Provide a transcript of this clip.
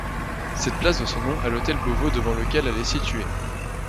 Cette place doit son nom à l'hôtel Beauvau devant lequel elle est située.